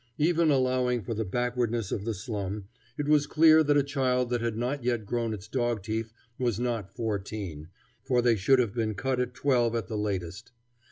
Even allowing for the backwardness of the slum, it was clear that a child that had not yet grown its dog teeth was not "fourteen," for they should have been cut at twelve at the latest.